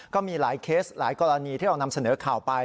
ก็มีหลายเคสหลายกรณีที่เรานำเสนอข่าวไป